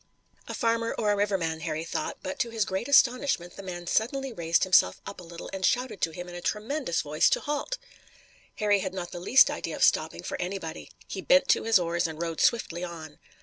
A farmer or a riverman, Harry thought, but to his great astonishment the man suddenly raised himself up a little and shouted to him in a tremendous voice to halt. Harry had not the least idea of stopping for anybody. He bent to his oars and rowed swiftly on.